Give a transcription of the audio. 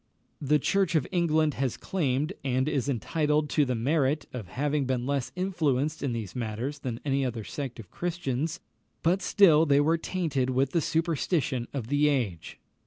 The Church of England has claimed, and is entitled to the merit, of having been less influenced in these matters than any other sect of Christians; but still they were tainted with the superstition of the age.